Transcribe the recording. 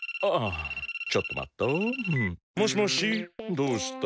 どうした？